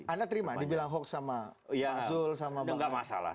anda terima dibilang hoak sama masul sama bawasloh